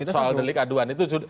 soal delik aduan itu